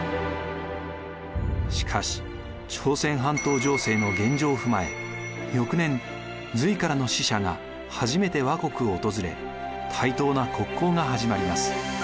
しかし朝鮮半島情勢の現状を踏まえ翌年隋からの使者が初めて倭国を訪れ対等な国交が始まります。